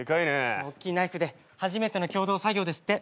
おっきいナイフで初めての共同作業ですって。